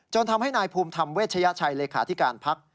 ทำให้นายภูมิธรรมเวชยชัยเลขาธิการพัก